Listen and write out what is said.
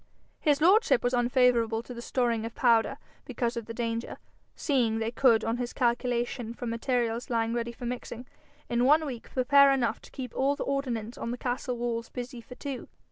His lordship was unfavourable to the storing of powder because of the danger, seeing they could, on his calculation, from the materials lying ready for mixing, in one week prepare enough to keep all the ordnance on the castle walls busy for two.